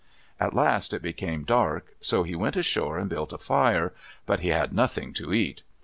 At last it became dark, so he went ashore and built a fire, but he had nothing to eat.